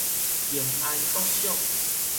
幸安國小